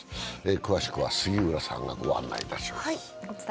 詳しくは杉浦さんがご案内いたします。